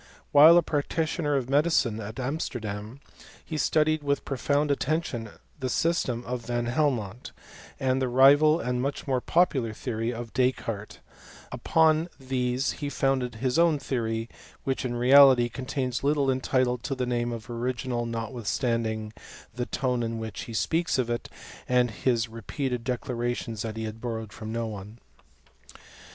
While a practitioner of medicine at Amsterdam, he studied with profound attention the system of Van Helmont, and the rival and much more popular theory of Descartes : upon these he founded his own theory, which, 'in reality, contains little entitled to the name of original, notwithstanding the tone in which he speaks of it, and his repeated declarations that he had borrowed from no one.